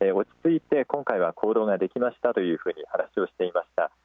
落ち着いて今回は行動ができましたというふうに話をしていました。